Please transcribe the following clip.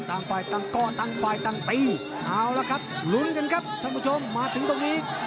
ตั้งไปตั้งก้อนตั้งไปตั้งตีเอาละครับลุ้นกันครับท่านผู้ชมมาถึงตรงนี้